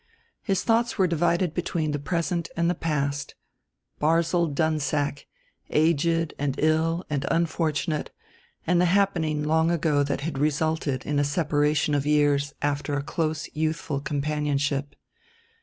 His thoughts were divided between the present and the past Barzil Dunsack, aged and ill and unfortunate, and the happening long ago that had resulted in a separation of years after a close youthful companionship.